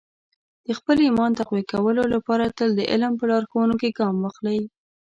د خپل ایمان تقویه کولو لپاره تل د علم په لارښوونو کې ګام واخلئ.